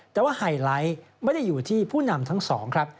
แต่ว่าไฮไลท์ไม่ได้อยู่ที่ผู้นำทั้งสองครับ